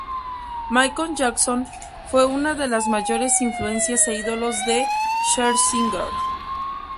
Michael Jackson fue una de las mayores influencias e ídolos de Scherzinger.